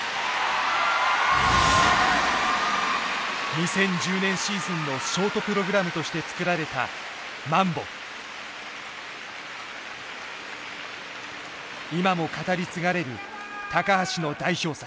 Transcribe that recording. ２０１０年シーズンのショートプログラムとして作られた今も語り継がれる橋の代表作。